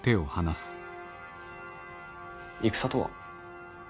戦とは？